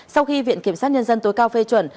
sau khi viện kiểm sát nhân dân tối cao phê chuẩn